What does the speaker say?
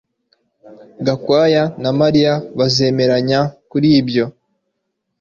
Gakwaya na Mariya bazemeranya kuri ibyo